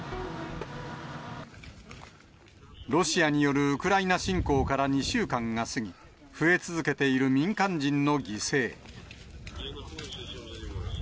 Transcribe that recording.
ロシアによるウクライナ侵攻から２週間が過ぎ、増え続けている民間人の犠牲。